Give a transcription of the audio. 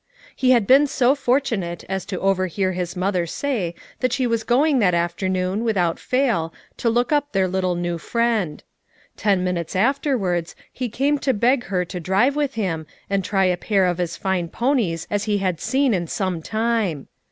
He had been so fortunate as to overhear his mother say that she was going that afternoon, without fail, to look up their little new friend. Ten minutes afterwards he came to beg her to drive with him and try a pair of as fine ponies as he had seen in some time.